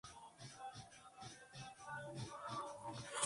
El vino es una tradición que lleva más de tres mil años.